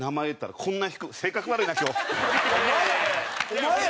お前や！